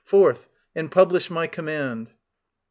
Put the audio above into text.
Forth, and publish my command